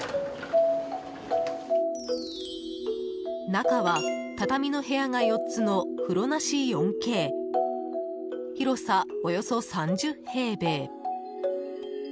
中は、畳の部屋が４つの風呂なし４Ｋ広さおよそ３０平米。